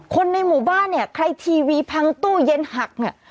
คนในหมู่บ้านเนี่ยใครทีวีพังตู้เย็นหักเนี่ย